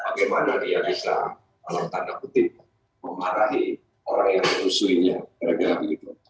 bagaimana dia bisa kalau tanda kutip memarahi orang yang disusuinya